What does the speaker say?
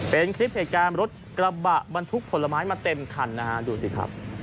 เป็นคลิปเหตุการณ์รถกระบะบรรทุกผลไม้มาเต็มคันนะฮะดูสิครับ